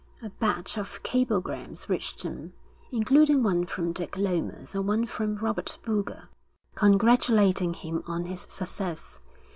A batch of cablegrams reached him, including one from Dick Lomas and one from Robert Boulger, congratulating him on his success.